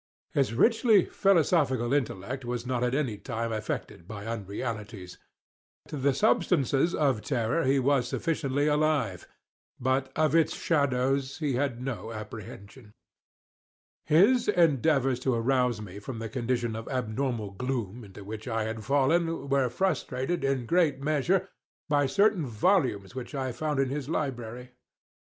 His richly philosophical intellect was not at any time affected by unrealities. To the substances of terror he was sufficiently alive, but of its shadows he had no apprehension. His endeavors to arouse me from the condition of abnormal gloom into which I had fallen, were frustrated, in great measure, by certain volumes which I had found in his library.